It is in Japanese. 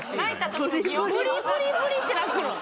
ブリブリブリって泣くの？